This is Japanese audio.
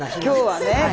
今日はね。